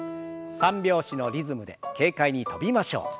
三拍子のリズムで軽快に跳びましょう。